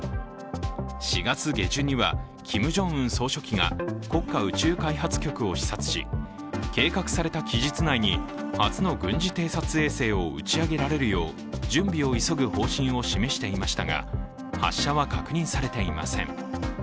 ４月下旬にはキム・ジョンウン総書記が国家宇宙開発局を視察し計画された期日内に初の軍事偵察衛星を打ち上げられるよう準備を急ぐ方針を示していましたが、発射は確認されていません。